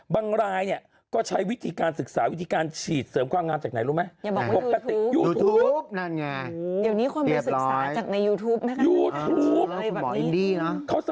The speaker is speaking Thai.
บังรายก็ใช้วิทีการศึกษาวิทีการฉีดเสริมความอำน้ำจากไหนรู้ไหม